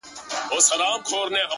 ما د ملا نه د آذان په لور قدم ايښی دی!